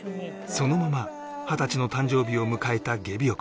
そのまま二十歳の誕生日を迎えたゲビオ君